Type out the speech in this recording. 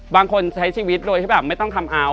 บางคนใช้ชีวิตโดยไม่ต้องคัมอัล